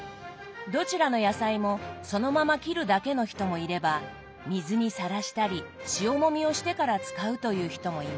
どちらの野菜もそのまま切るだけの人もいれば水にさらしたり塩もみをしてから使うという人もいます。